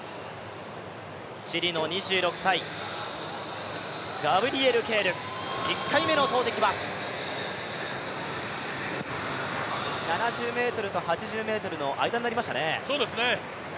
チリの２６歳、ガブリエル・ケール、１回目の投てきは７０ｍと８０ｍの間になりましたね。